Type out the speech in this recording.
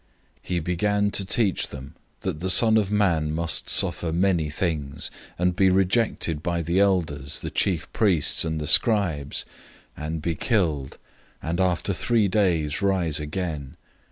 008:031 He began to teach them that the Son of Man must suffer many things, and be rejected by the elders, the chief priests, and the scribes, and be killed, and after three days rise again.